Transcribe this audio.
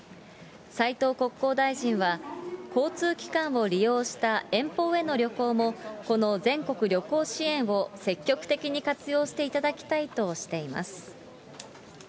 斉藤国交大臣は、交通機関を利用した遠方への旅行も、この全国旅行支援を積極的に活用していただきたいとしています。